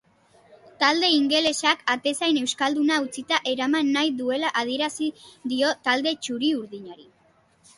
Talde ingelesak atezain euskalduna utzita eraman nahi duela adierazi dio talde txuri-urdinari.